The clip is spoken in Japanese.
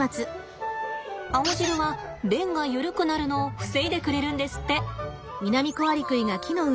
青汁は便がゆるくなるのを防いでくれるんですって。